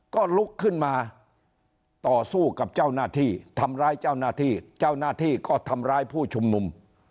ก็ลุกขึ้นมาต่อสู้กับเจ้าหน้าที่ทำร้ายเจ้าหน้าที่เจ้าหน้าที่ก็ทำร้ายผู้ชุมนุม